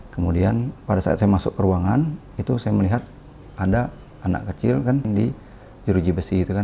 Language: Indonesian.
kemudian pada saat saya masuk ke ruangan itu saya melihat ada anak kecil kan di jeruji besi itu kan